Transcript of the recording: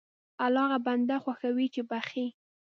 الله هغه بنده خوښوي چې بخښي.